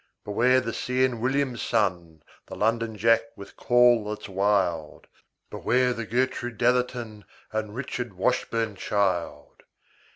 Beware the see enn william, son, The londonjack with call that's wild. Beware the gertroo datherton And richardwashburnchild.